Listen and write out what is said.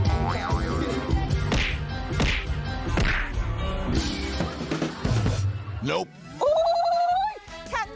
โอ๊ยทางนี้ก็แบบนี้